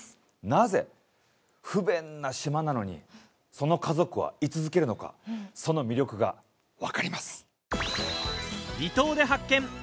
なぜ不便な島なのにその家族は居続けるのかその魅力が分かります。